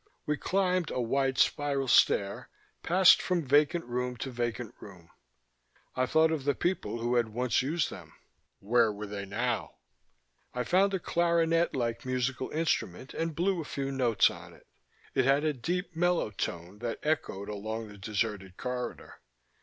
We climbed a wide spiral stair, passed from vacant room to vacant room. I thought of the people who had once used them. Where were they now? I found a clarinet like musical instrument and blew a few notes on it. It had a deep mellow tone that echoed along the deserted corridor.